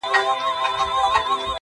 ما یې په غېږه کي ګُلونه غوښتل-